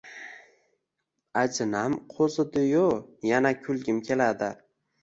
Ajinam qo`zadiyu, yana kulgim keladi